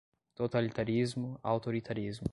Totalitarismo, autoritarismo